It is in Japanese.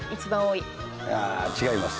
いや違います。